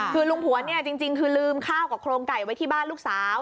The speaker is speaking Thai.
คือลุงผวนเนี่ยจริงคือลืมข้าวกับโครงไก่ไว้ที่บ้านลูกสาว